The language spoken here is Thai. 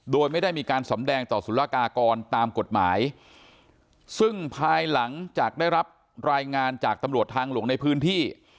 โดยไม่ได้มีการสำแดงต่อสุรกากรตามกฎหมายซึ่งภายหลังจากได้รับรายงานจากตำรวจทางหลวงในพื้นที่